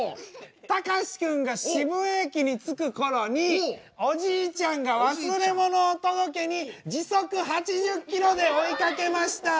たかしくんが渋谷駅に着く頃におじいちゃんが忘れ物を届けに時速８０ｋｍで追いかけました。